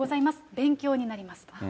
勉強になりますと。